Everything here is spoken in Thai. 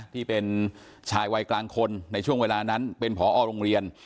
ที่เป็นชายวัยกลางคนในช่วงเวลานั้นเป็นผอโรงเรียน